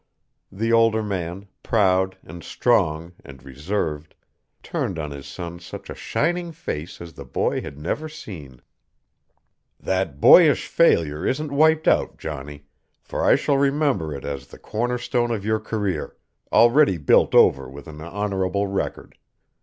The older man, proud and strong and reserved, turned on his son such a shining face as the boy had never seen. "That boyish failure isn't wiped out, Johnny, for I shall remember it as the corner stone of your career, already built over with an honorable record.